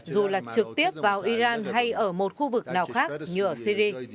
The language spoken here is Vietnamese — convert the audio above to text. dù là trực tiếp vào iran hay ở một khu vực nào khác như ở syri